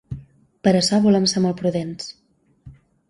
Per això volem ser molt prudents.